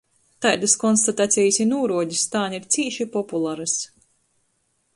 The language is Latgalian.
Taidys konstatacejis i nūruodis tān ir cīši popularys.